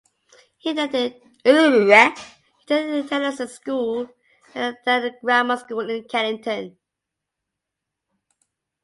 He attended Tenison's School, then a grammar school in Kennington.